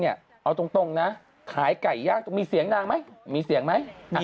เอาตรงนะขายไก่ย่างตรงมีเสียงนางไหมมีเสียงไหม